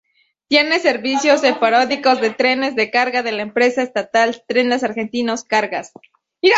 Tiene servicios esporádicos de trenes de carga de la empresa estatal Trenes Argentinos Cargas.